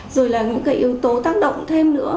rồi là những yếu tố tác động thêm nữa